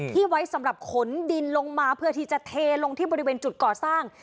ไว้สำหรับขนดินลงมาเพื่อที่จะเทลงที่บริเวณจุดก่อสร้าง